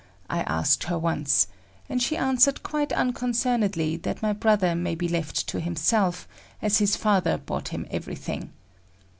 I asked her once, and she answered quite unconcernedly that my brother may be left to himself as his father bought him everything.